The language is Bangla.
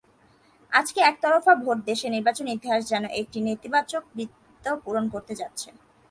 আজকের একতরফা ভোট দেশের নির্বাচনের ইতিহাসে যেন একটি নেতিবাচক বৃত্ত পূরণ করতে যাচ্ছে।